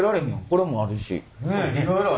これもあるし。